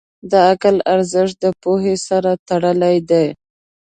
د عقل ارزښت د پوهې سره تړلی دی.